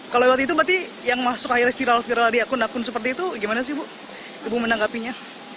kalau lewat itu berarti yang masuk akhirnya viral viral di akun akun seperti itu gimana sih bu menanggapinya